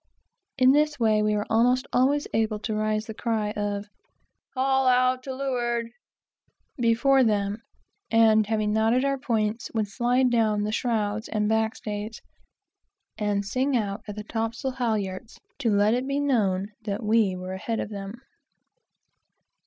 In this way we were almost always able to raise the cry of "Haul out to leeward" before them, and having knotted our points, would slide down the shrouds and back stays, and sing out at the topsail halyards to let it be known that we were ahead of them.